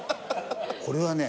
これはね